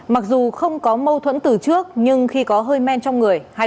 mặc dù không có mâu thuẫn từ trước nhưng khi có hơi men trong cuộc chiến